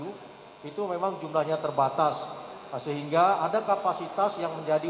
sampai dengan dermaga tujuh itu memang jumlahnya terbatas sehingga ada kapasitas yang menjadi